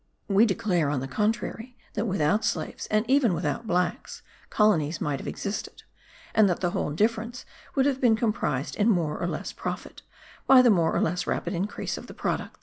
We declare, on the contrary, that without slaves, and even without blacks, colonies might have existed, and that the whole difference would have been comprised in more or less profit, by the more or less rapid increase of the products.